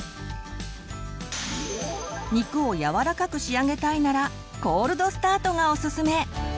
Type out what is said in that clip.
肉をやわらかく仕上げたいならコールドスタートがおすすめ。